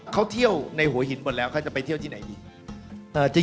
เขาเที่ยวในหัวหินหมดแล้วเขาจะไปเที่ยวที่ไหนอีก